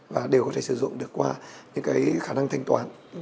và đều có thể sử dụng được qua những cái khả năng thanh toán